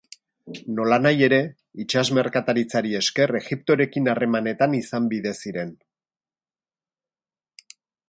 Nolanahi ere, itsas merkataritzari esker Egiptorekin harremanetan izan bide ziren.